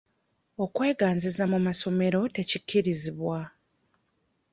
Okweganziza mu massomero tekikkirizibwa.